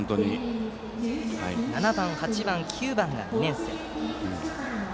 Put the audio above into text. ７番、８番、９番が２年生。